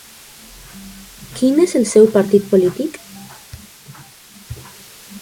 Quin és el seu partit polític?